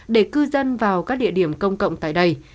để cư dân vào các địa điểm công cộng tại đây